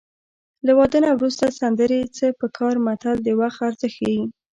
له واده نه وروسته سندرې څه په کار متل د وخت ارزښت ښيي